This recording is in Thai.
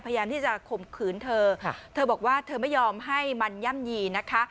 พยายามที่จะข่มขืนเธอเธอบอกว่าเธอไม่ยอมให้มันย่ำยีนะคะ